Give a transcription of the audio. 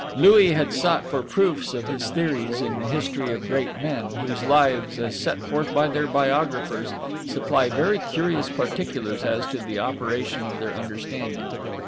Louis had sought for proofs of his theories in the history of great men, whose lives, as set forth by their biographers, supply very curious particulars as to the operation of their understanding.